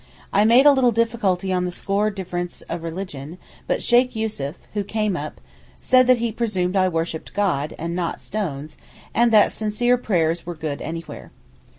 I made a little difficulty on the score of difference of religion, but Sheykh Yussuf, who came up, said that he presumed I worshipped God, and not stones, and that sincere prayers were good anywhere.